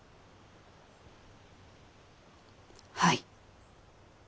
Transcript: はい。